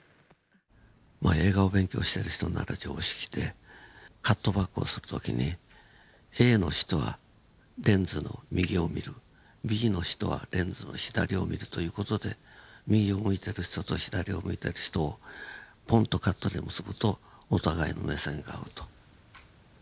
まあ映画を勉強している人なら常識でカットバックをする時にＡの人はレンズの右を見るＢの人はレンズの左を見るという事で右を向いてる人と左を向いてる人をポンとカットで結ぶとお互いの目線が合うと。